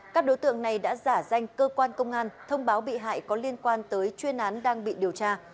các đối tượng này đã giả danh cơ quan công an thông báo bị hại có liên quan tới chuyên án đang bị điều tra